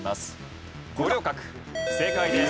正解です。